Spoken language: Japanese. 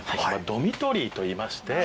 ドミトリーといいまして。